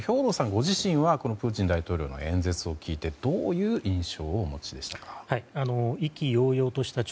ご自身はプーチン大統領の演説を聞いてどういう印象をお持ちでしたか。